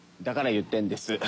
だから言ってるんです。